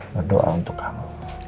nge doa untuk kamu